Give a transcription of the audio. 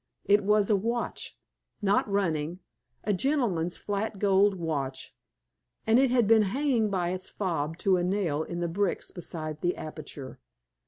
It was a watch, not running a gentleman's flat gold watch, and it had been hanging by its fob to a nail in the bricks beside the aperture.